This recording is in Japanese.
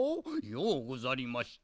ようござりました。